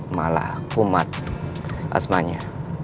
malah kumat asmanya